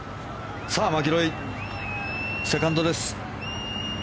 マキロイ、セカンドです。